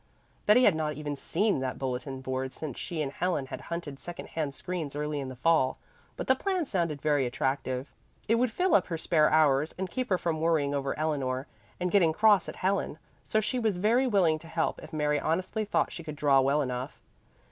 Betty had not even seen that bulletin board since she and Helen had hunted second hand screens early in the fall, but the plan sounded very attractive; it would fill up her spare hours, and keep her from worrying over Eleanor, and getting cross at Helen, so she was very willing to help if Mary honestly thought she could draw well enough.